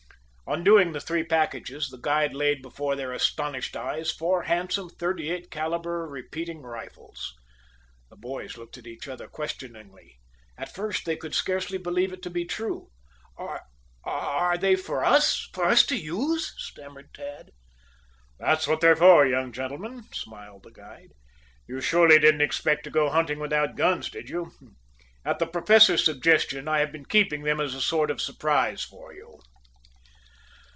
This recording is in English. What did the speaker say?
Undoing the other three packages, the guide laid before their astonished eyes four handsome thirty eight calibre repeating rifles. The boys looked at each other questioningly. At first they could scarcely believe it to be true. "Are are they for us for us to use?" stammered Tad. "That's what they're for, young gentlemen," smiled the guide. "You surely didn't expect to go hunting without guns, did you? At the Professor's suggestion I have been keeping them as a sort of surprise for you."